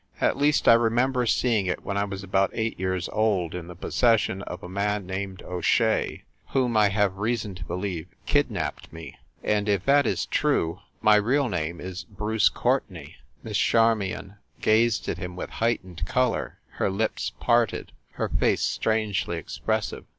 "At least, I remember seeing it when I was about eight years old, in the possession of a man named O Shea, whom, I have reason to believe, kidnapped me. And, if that is true, my real name is Bruce Courte nay!" Miss Charmion gazed at him with heightened color, her lips parted, her face strangely expressive.